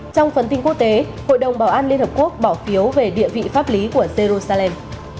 trong phần tin quốc tế hội đồng bảo an liên hợp quốc bỏ phiếu về địa vị pháp lý của jerusalem